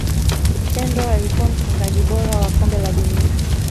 sendor alikuwa mfungaji bora wa kombe la dunia